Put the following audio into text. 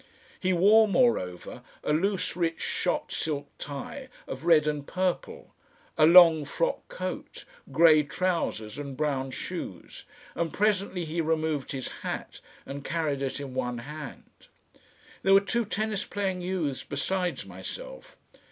He wore, moreover, a loose rich shot silk tie of red and purple, a long frock coat, grey trousers and brown shoes, and presently he removed his hat and carried it in one hand. There were two tennis playing youths besides myself.